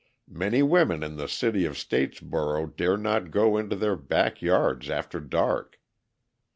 Many women in the city of Statesboro dare not go into their backyards after dark.